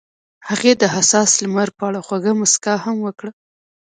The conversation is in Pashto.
هغې د حساس لمر په اړه خوږه موسکا هم وکړه.